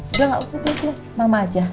udah gak usah deh mama aja